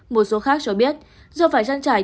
một số khác cho biết do phải trăn trải